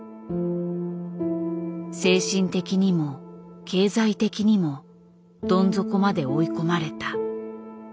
精神的にも経済的にもどん底まで追い込まれた。